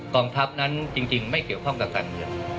กองทัพนั้นจริงไม่เกี่ยวข้องกับการเมือง